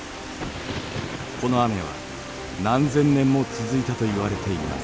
この雨は何千年も続いたといわれています。